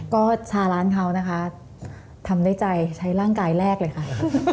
ก็ชาร้านเขานะคะทำด้วยใจใช้ร่างกายแรกเลยค่ะ